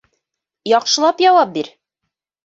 — Яҡшылап яуап бир.